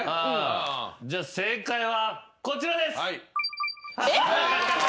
じゃ正解はこちらです！